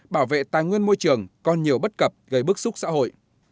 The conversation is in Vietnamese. bảo vệ tài nguyên môi trường còn nhiều bất cập gây bức xúc xã hội